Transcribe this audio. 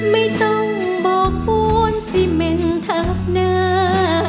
ไม่ต้องบอกปูนสิเม่นทับหน้า